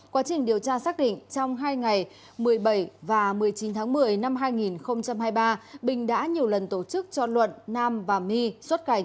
quá trình điều tra xác định trong hai ngày một mươi bảy và một mươi chín tháng một mươi năm hai nghìn hai mươi ba bình đã nhiều lần tổ chức cho luận nam và my xuất cảnh